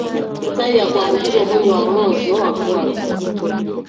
hatari ya kuambukizwa ugonjwa wa mwozo wa kwato